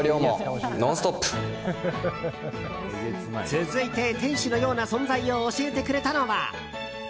続いて、天使のような存在を教えてくれたのは。